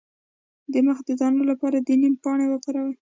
د مخ د دانو لپاره د نیم پاڼې وکاروئ